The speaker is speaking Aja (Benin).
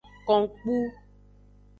Konkpu.